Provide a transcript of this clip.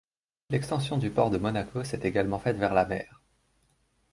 L’extension du port de Monaco s’est également faite vers la mer.